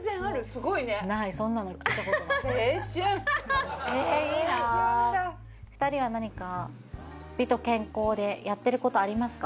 すごいねないそんなの聞いたことないいいな青春だ２人は何か美と健康でやってることありますか？